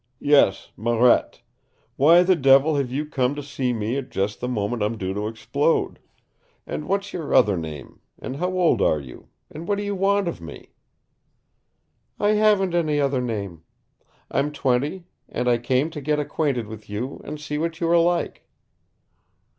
"Yes, Marette why the devil have you come to see me at just the moment I'm due to explode? And what's your other name, and how old are you, and what do you want of me?" "I haven't any other name, I'm twenty, and I came to get acquainted with you and see what you are like."